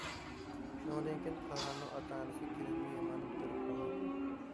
شۇنىڭدىن كېيىن قاھارنىڭ ئاتا- ئانىسى كېلىنىنى يامان كۆرۈپ قالدى.